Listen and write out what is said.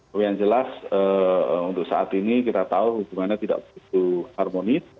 tapi yang jelas untuk saat ini kita tahu hubungannya tidak begitu harmonis